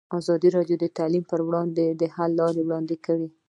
ازادي راډیو د تعلیم پر وړاندې د حل لارې وړاندې کړي.